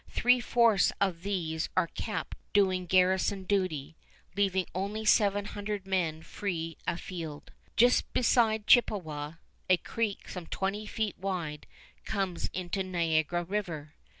Three fourths of these are kept doing garrison duty, leaving only seven hundred men free afield. Just beside Chippewa, a creek some twenty feet wide comes into Niagara River.